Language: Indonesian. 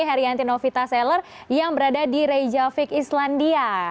haryanti novita seller yang berada di rejavik islandia